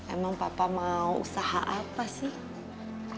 emang papa mau usaha apa sih